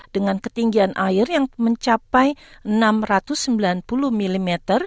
dengan ketinggian air yang mencapai enam ratus sembilan puluh mm